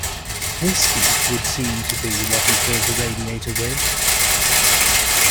Whisky would seem to be what he filled the radiator with.